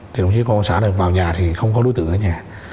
thì đồng chí của con xã này vào nhà thì không có đối tượng ở nhà